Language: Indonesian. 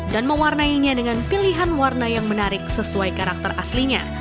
dan mewarnai nya dengan pilihan warna yang menarik sesuai karakter aslinya